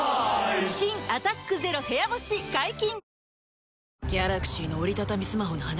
新「アタックＺＥＲＯ部屋干し」解禁‼